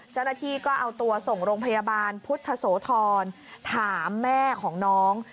เจ้าหน้าที่ก็เอาตัวส่งโรงพยาบาลพุทธโสธรถามแม่ของน้อง